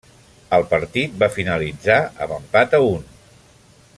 El partit va finalitzar amb empat a un.